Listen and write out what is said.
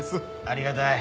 ありがたい。